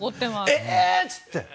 えー？って言って。